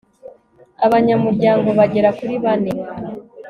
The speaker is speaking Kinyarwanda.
abanyamuryango bagera kuri bane